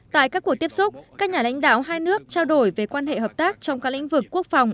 tại các cuộc tiếp xúc các nhà lãnh đạo hai nước trao đổi về quan hệ hợp tác trong các lĩnh vực quốc phòng